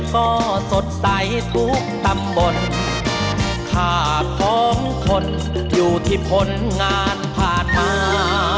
ก็สดใสทุกตำบลข้าพร้อมคนอยู่ที่ผลงานพาทา